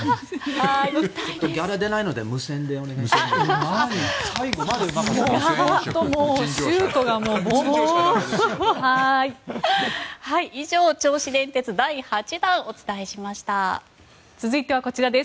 ギャラが出ないので無銭でお願いします。